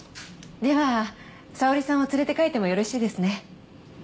では沙織さんを連れて帰ってもよろしいですね？